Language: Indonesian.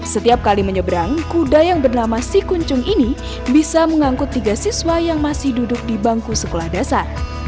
setiap kali menyeberang kuda yang bernama sikuncung ini bisa mengangkut tiga siswa yang masih duduk di bangku sekolah dasar